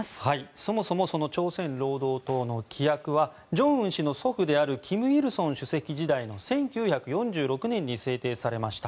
そもそも朝鮮労働党の規約は正恩氏の祖父である金日成主席時代の１９４６年に制定されました。